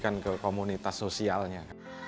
kembalikan ke komunitas sosialnya